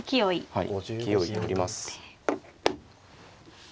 はい。